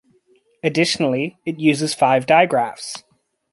Additionally, it uses five digraphs.